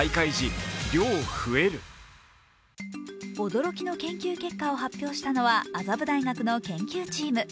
驚きの研究結果を発表したのは麻布大学の研究チーム。